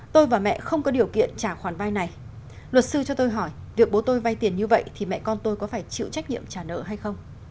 tôi và mẹ không có điều kiện trả khoản vay này luật sư cho tôi hỏi việc bố tôi vay tiền như vậy thì mẹ con tôi có phải chịu trách nhiệm trả nợ hay không